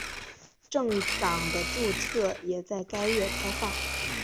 政党的注册也在该月开放。